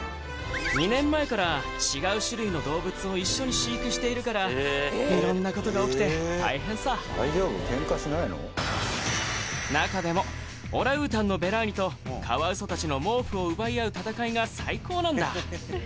２年前から違う種類の動物を一緒に飼育しているから色んなことが起きて大変さ中でもオランウータンのベラーニとカワウソたちの毛布を奪い合う戦いが最高なんだ